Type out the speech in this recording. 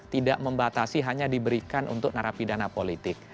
tidak membatasi hanya diberikan untuk narapidana politik